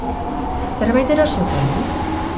Zerbait erosi ote du?